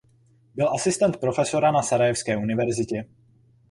Byl asistent profesora na Sarajevské univerzitě.